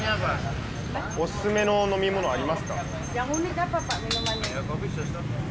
お勧めの飲み物、ありますか？